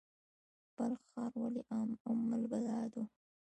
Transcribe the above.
بلخ ښار ولې ام البلاد و؟